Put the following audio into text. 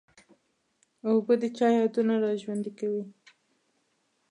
اوبه د چا یادونه را ژوندي کوي.